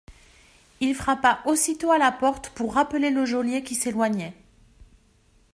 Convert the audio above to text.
Il frappa aussitôt à la porte pour rappeler le geôlier qui s'éloignait.